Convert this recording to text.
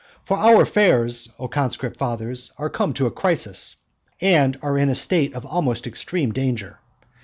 For our affairs, O conscript fathers, are come to a crisis, and are in a state of almost extreme danger.